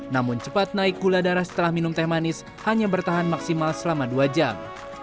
namun cepat naik gula darah setelah minum teh manis hanya bertahan maksimal selama dua jam